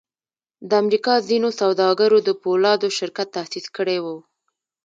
د امریکا ځینو سوداګرو د پولادو شرکت تاسیس کړی و